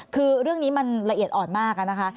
คือเรื่องนี้มันละเอียดอ่อนมากนะคะ